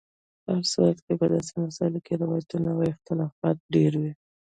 په هر صورت په داسې مسایلو کې روایتونو او اختلافات ډېر وي.